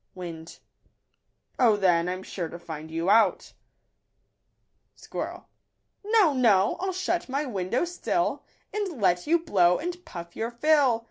Wind. —" Oh, then I'm sure to find you .11 E. Squirrel .—" No, no, I'll shut my window still, And let you blow and puff your fill."